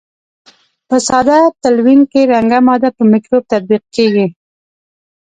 په ساده تلوین کې رنګه ماده په مکروب تطبیق کیږي.